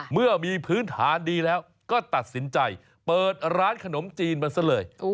เมื่อมีพื้นฐานดีแล้วก็ตัดสินใจเปิดร้านขนมจีนมันซะเลย